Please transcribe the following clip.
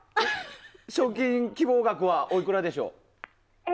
賞金、希望額はおいくらでしょう？